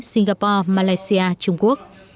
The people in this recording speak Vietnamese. singapore malaysia trung quốc